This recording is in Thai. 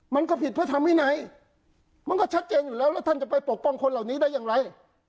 มันก็ผิดพระธรรมวินัยมันก็ชัดเจนอยู่แล้วแล้วท่านจะไปปกป้องคนเหล่านี้ได้อย่างไร